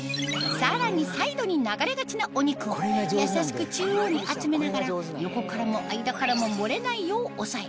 さらにサイドに流れがちなお肉を優しく中央に集めながら横からも間からももれないよう押さえ